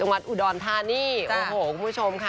วัดอุดรธานีโอ้โหคุณผู้ชมค่ะ